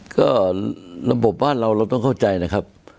ก็ระบบบ้านเราเราต้องเข้าใจนะครับ